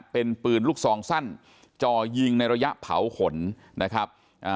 เป็นปืนลูกซองสั้นจ่อยิงในระยะเผาขนนะครับ